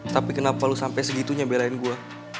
tapi kenapa lo sampai segitunya belain gue